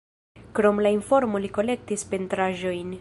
Krom la informo li kolektis pentraĵojn.